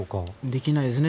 できないですね。